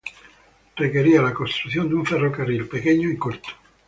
Requería la construcción de un ferrocarril pequeño y corto.